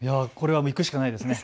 行くしかないですね。